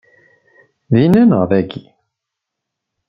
Dinna neɣ dagi?